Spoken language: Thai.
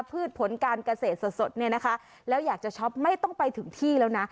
พืชผลการเกษตรสดเนี่ยนะคะแล้วอยากจะช็อปไม่ต้องไปถึงที่แล้วนะ